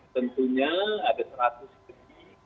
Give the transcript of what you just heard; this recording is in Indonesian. tentunya ada seratus kecil